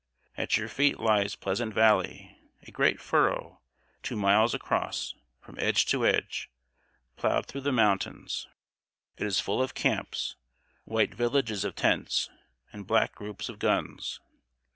At your feet lies Pleasant Valley, a great furrow two miles across, from edge to edge plowed through the mountains. It is full of camps, white villages of tents, and black groups of guns.